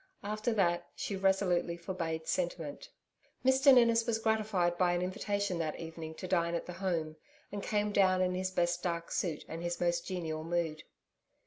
After that, she resolutely forbade sentiment. Mr Ninnis was gratified by an invitation that evening to dine at the Home, and came down in his best dark suit and his most genial mood.